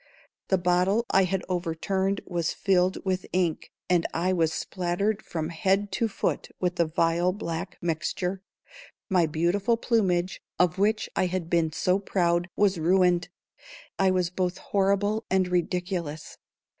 The bottle I had overturned was filled with ink, and I was spattered from head to foot with the vile black mixture. My beautiful plumage, of which I had been so proud, was ruined. I was both horrible and ridiculous.